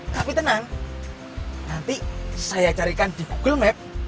tapi tenang nanti saya carikan di google map